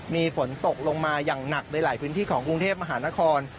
มีฝนตกลงมาอย่างหนักในหลายพื้นที่ของกรุงเทพมหานคร